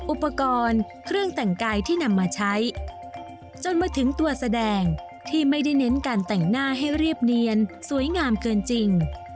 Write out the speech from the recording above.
อุปกรณ์เครื่องแต่งกายที่นำมาใช้จนมาถึงตัวแสดงที่ไม่ได้เน้นการแต่งหน้าให้เรียบเนียนสวยงามเกินจริง